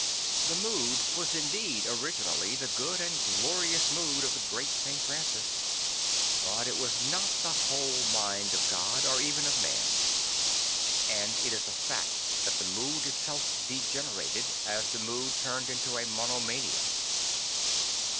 The mood was indeed origin ally the good and glorious mood of the great St. Francis, but it was not the whole mind of God or even of man. And it is a fact that the mood itself degenerated, as the mood turned into a monomania.